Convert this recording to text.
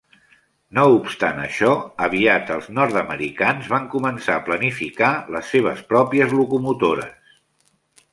No obstant això, aviat els nord-americans van començar a planificar les seves pròpies locomotores.